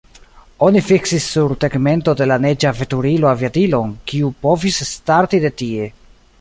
Oni fiksis sur tegmento de la neĝa veturilo aviadilon, kiu povis starti de tie.